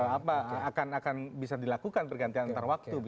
apa akan bisa dilakukan pergantian antar waktu